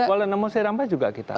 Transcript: kuala nama serampa juga kita